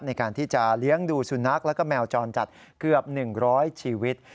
ในการที่จะเลี้ยงดูสุนัขแล้วก็แมวจรจัดเกือบ๑๐๐ชีวิต